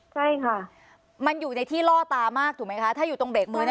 ใช่ค่ะมันอยู่ในที่ล่อตามากถูกไหมคะถ้าอยู่ตรงเบรกมือ